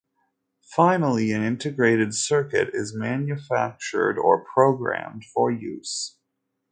Finally, an integrated circuit is manufactured or programmed for use.